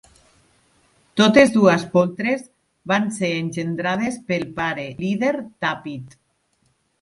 Totes dues poltres van ser engendrades pel pare líder Tapit.